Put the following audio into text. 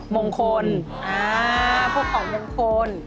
มงคลพวกของมงคล